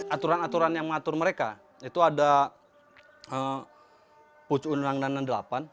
aturan aturan yang mengatur mereka itu ada pucuk undang undang delapan